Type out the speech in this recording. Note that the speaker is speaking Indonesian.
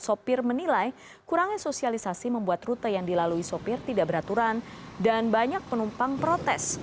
sopir menilai kurangnya sosialisasi membuat rute yang dilalui sopir tidak beraturan dan banyak penumpang protes